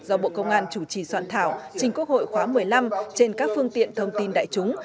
do bộ công an chủ trì soạn thảo trình quốc hội khóa một mươi năm trên các phương tiện thông tin đại chúng